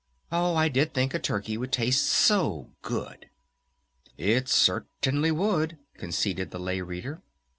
Oh, I did think a turkey would taste so good!" "It certainly would," conceded the Lay Reader.